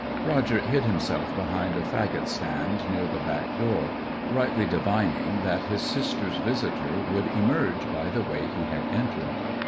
Roger hid himself behind a faggot stack near the back door, rightly divining that his sister's visitor would emerge by the way he had entered.